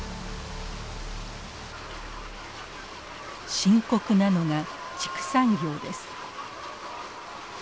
深刻なのが畜産業です。